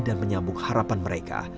dan menyambung harapan mereka